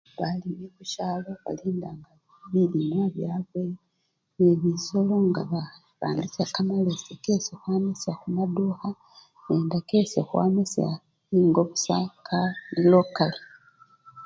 Balimi khushalo balindanga bilimwa byabwe ne bisola nga barambisha kamalesi kesi khwamisha khumatuka nende kesi khwamisha engo busa kali lokali